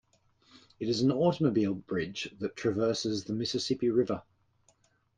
It is an automobile bridge that traverses the Mississippi River.